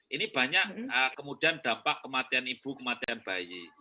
ini banyak kemudian dampak kematian ibu kematian bayi